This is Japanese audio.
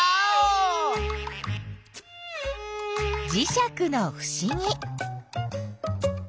じしゃくのふしぎ。